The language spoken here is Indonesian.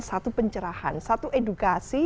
satu pencerahan satu edukasi